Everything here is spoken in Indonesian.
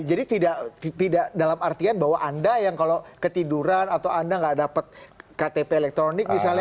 jadi tidak dalam artian bahwa anda yang kalau ketiduran atau anda nggak dapat ktp elektronik misalnya